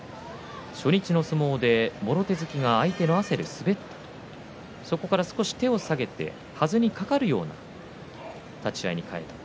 初日の相撲でもろ手突きが相手の汗で滑ったとそこから少し手を下げてはずにかかるような立ち合いに変えた。